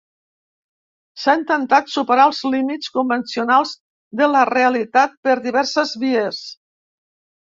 S'ha intentat superar els límits convencionals de la realitat per diverses vies.